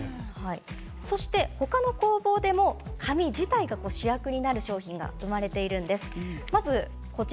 そして他の工房でも紙自体が主役になる商品が生まれているんです。